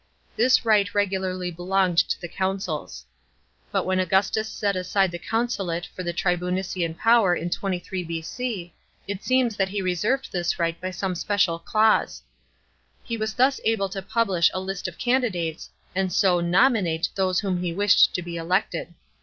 This right regularly belonged to the consuls. But when Augustus set aside the consulate for the tribunician power in 23 B.C., it seems that he reserved this right by some special clause. He was thus able to publish a list of candidates, and so " nominate " those whom he wished to be elected.